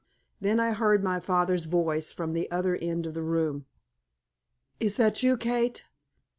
Then I heard my father's voice from the other end of the room. "Is that you, Kate?"